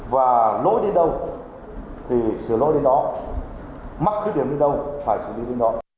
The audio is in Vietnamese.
và lối đi đâu thì sửa lối đi đó mắc khí điểm đi đâu phải sửa đi đi đó